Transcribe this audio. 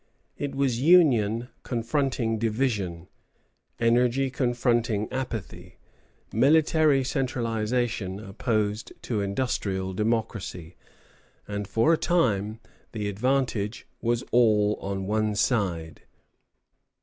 It was union confronting division, energy confronting apathy, military centralization opposed to industrial democracy; and, for a time, the advantage was all on one side.